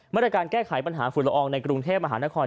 มาตรการแก้ไขปัญหาฝุ่นละอองในกรุงเทพมหานคร